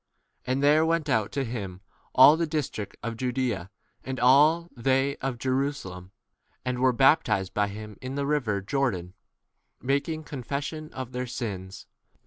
And there went out to him all the district of Judaea, and all c they of Jerusalem, and were baptized by him in the river Jordan, making confession of their 6 sins.